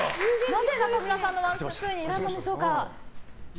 なぜ中村さんのワンスプーンになったんでしょうか。